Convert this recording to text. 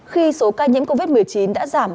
khi số ca nhiễm covid một mươi chín đã giảm